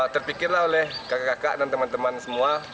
terpikirlah oleh kakak kakak dan teman teman semua